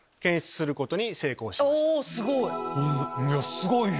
すごい！